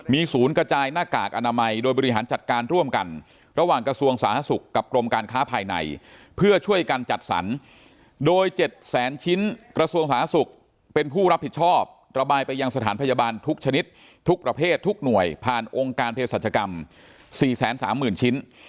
มีศูนย์กระจายหน้ากากอนามัยโดยบริหารจัดการร่วมกันระหว่างกระทรวงสาธารณสุขกับกรมการค้าภายในเพื่อช่วยกันจัดสรรโดย๗แสนชิ้นกระทรวงสาธารณสุขเป็นผู้รับผิดชอบระบายไปยังสถานพยาบาลทุกชนิดทุกประเภททุกหน่วยผ่านองค์การเพศรัชกรรม๔๓๐๐๐ชิ้น